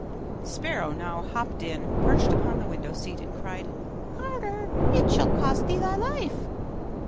The sparrow now hopped in, perched upon the window seat, and cried, 'Carter! it shall cost thee thy life!